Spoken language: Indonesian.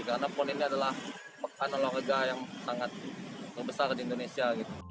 karena pon ini adalah pekan olahraga yang sangat besar di indonesia